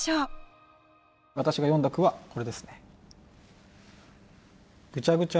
私が詠んだ句はこれですね。